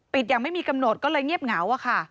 ปิดยังไม่มีกำหนดก็เลยเงียบเหงาค่ะ